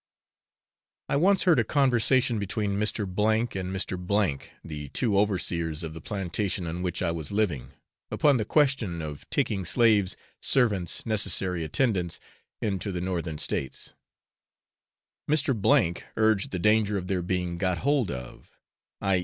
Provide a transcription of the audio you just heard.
I once heard a conversation between Mr. O and Mr. K , the two overseers of the plantation on which I was living, upon the question of taking slaves, servants, necessary attendants, into the northern states; Mr. O urged the danger of their being 'got hold of,' i.